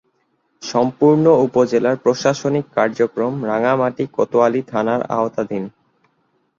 সম্পূর্ণ উপজেলার প্রশাসনিক কার্যক্রম রাঙ্গামাটি কোতোয়ালী থানার আওতাধীন।